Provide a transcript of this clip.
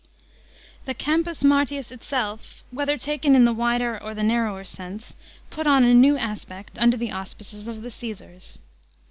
The Campus Martius itself, whether taken in the wider or the narrower sense, put on a new aspect under the auspices of the Caesars.